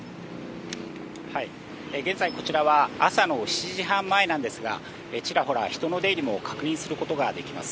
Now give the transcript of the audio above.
現在、こちらは朝の７時半前なんですが、ちらほら人の出入りも確認することができます。